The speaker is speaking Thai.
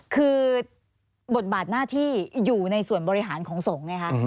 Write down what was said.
คือบทบาทหน้าที่อยู่ในส่วนบริหารของสงฆ์ไงคะ